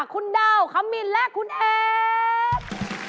คุณดาวคำมีนและคุณเอฟ